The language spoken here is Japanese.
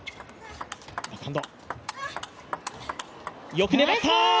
よく粘った！